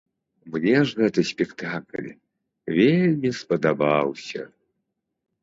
Мне ж гэты спектакль вельмі спадабаўся.